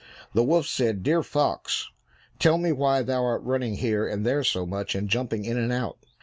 The wolf said, "Dear fox, tell me why thou art running here and there so much, and jumping in and out?"